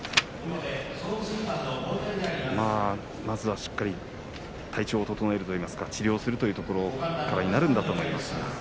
まずは、しっかりと体調を整えて治療するというところからになるんだと思いますが。